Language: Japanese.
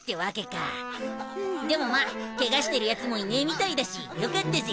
でもまあケガしてるやつもいねえみたいだしよかったぜ。